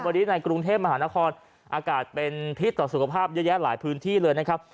วันนี้ในกรุงเทพมหานครอากาศเป็นพิษต่อสุขภาพเยอะแยะหลายพื้นที่เลยนะครับ